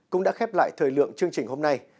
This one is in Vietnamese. cũng đã khép lại thời lượng chương trình hôm nay